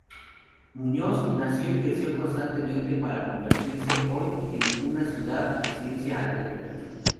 Muñoz nació y creció constantemente para convertirse hoy en una "ciudad de Ciencia Agrícola".